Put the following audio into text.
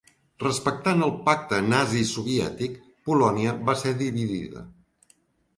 Respectant el pacte nazi-soviètic, Polònia va ser dividida.